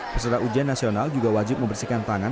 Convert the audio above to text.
peserta ujian nasional juga wajib membersihkan tangan